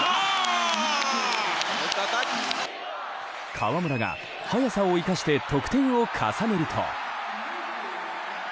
河村が速さを生かして得点を重ねると。